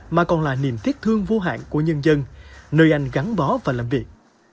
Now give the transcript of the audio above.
mà còn là niềm tiếc thương vô hạn của nhân dân nơi anh gắn bó và làm việc